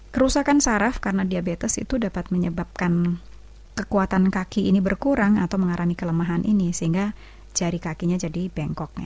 kerusakan saraf karena diabetes itu dapat menyebabkan kekuatan kaki ini berkurang atau mengalami kelemahan ini sehingga jari kakinya jadi bengkok